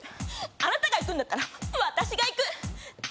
「あなたがいくんだったら私がいくっ！！」